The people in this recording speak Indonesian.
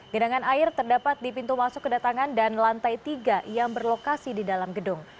genangan air terdapat di pintu masuk kedatangan dan lantai tiga yang berlokasi di dalam gedung